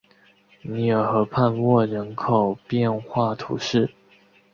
厄尔河畔沃人口变化图示